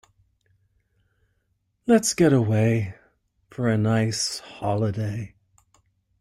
Let's get away for a nice holiday.